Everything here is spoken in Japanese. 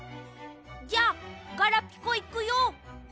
じゃあガラピコいくよ。